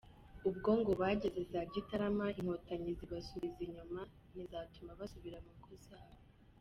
Ubwo ngo bageze za gitarama inkotanyi zibasubiza inyuma ntizatuma basubira mu ngo zabo.